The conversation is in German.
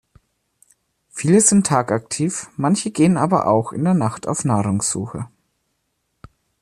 Viele sind tagaktiv, manche gehen aber auch in der Nacht auf Nahrungssuche.